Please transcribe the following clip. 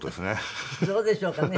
どうでしょうかね。